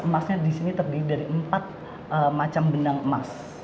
emasnya di sini terdiri dari empat macam benang emas